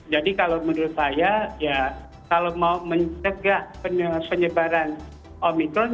jadi kalau menurut saya ya kalau mau menjaga penyebaran omikron